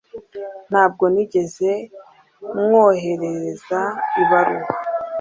Ntabwo nigeze mwoherereza ibaruwa